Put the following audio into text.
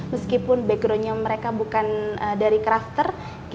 meskipun backgroundnya mereka bukan dari crafter